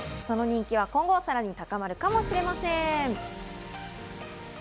その人気は今後、さらに高まるかもしれません。